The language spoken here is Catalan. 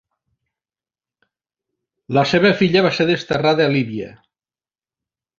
La seva filla va ser desterrada a Líbia.